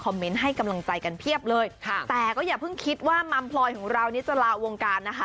เราวงการนะคะ